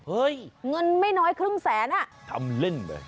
เฮ้ยเงินไม่น้อยครึ่งแสนทำเล่นเลย